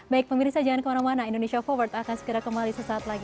baik pemirsa jangan kemana mana indonesia forward akan segera kembali sesaat lagi